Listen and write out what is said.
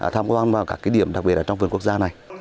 tham quan vào các điểm đặc biệt là trong vườn quốc gia này